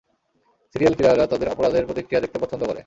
Serial কিলাররা তাদের অপরাধের প্রতিক্রিয়া দেখতে পছন্দ করে।